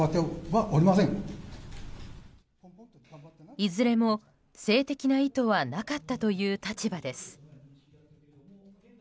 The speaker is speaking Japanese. いずれも性的な意図はなかったという立場です。